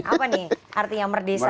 apa nih artinya merdesa